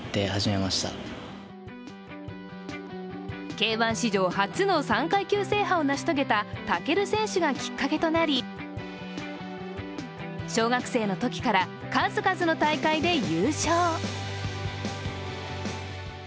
Ｋ−１史上初の３階級制覇を成し遂げた武尊選手がきっかけとなり小学生のときから数々の大会で優勝。